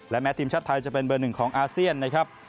แม้ทีมชาติไทยจะเป็นเบอร์หนึ่งของอาเซียนนะครับ